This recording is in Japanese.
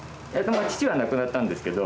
父は亡くなったんですけど。